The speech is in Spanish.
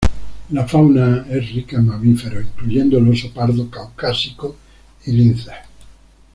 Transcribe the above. La fauna es rica en mamíferos, incluyendo el oso pardo caucásico y linces.